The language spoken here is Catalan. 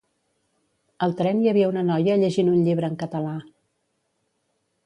Al tren hi havia una noia llegint un llibre en català